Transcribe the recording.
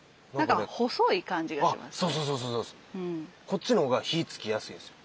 こっちの方が火つきやすいんですよ。